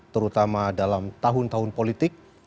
terutama dalam tahun tahun politik